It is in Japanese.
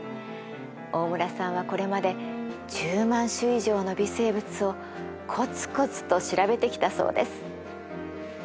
大村さんはこれまで１０万種以上の微生物をコツコツと調べてきたそうです。